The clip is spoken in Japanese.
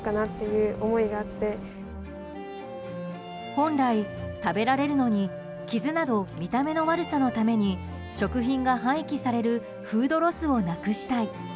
本来、食べられるのに傷など見た目の悪さのために食品が廃棄されるフードロスをなくしたい。